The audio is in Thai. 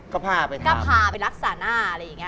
ก็พาไปรักษาหน้า